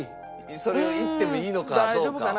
それを言ってもいいのかどうか。